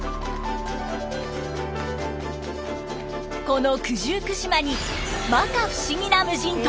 この九十九島にまか不思議な無人島が。